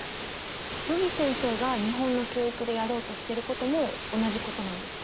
よぎ先生が日本の教育でやろうとしていることも同じことなんですか？